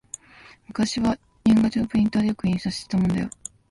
昔は年賀状をプリンターでよく印刷したもんだよ